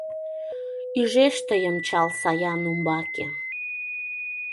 Ӱжеш тыйым чал Саян умбаке.